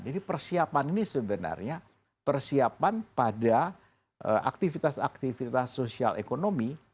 jadi persiapan ini sebenarnya persiapan pada aktivitas aktivitas sosial ekonomi